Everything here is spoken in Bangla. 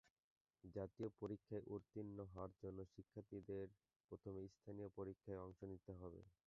জাতীয় পরীক্ষায় উত্তীর্ণ হওয়ার জন্য শিক্ষার্থীদের প্রথমে স্থানীয় পরীক্ষায় অংশ নিতে হবে।